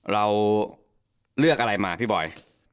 เราเลือกอะไรมาพี่บอย